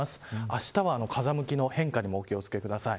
あしたは風向きの変化にもお気を付けください。